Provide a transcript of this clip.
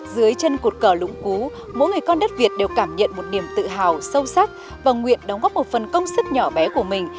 dưới chân cột cờ lũng cú mỗi người con đất việt đều cảm nhận một niềm tự hào sâu sắc và nguyện đóng góp một phần công sức nhỏ bé của mình